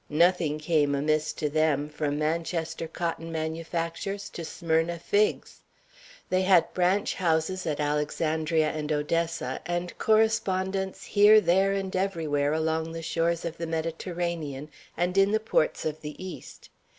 Nothing came amiss to them, from Manchester cotton manufactures to Smyrna figs. They had branch houses at Alexandria and Odessa, and correspondents here, there, and everywhere, along the shores of the Mediterranean, and in the ports of the East.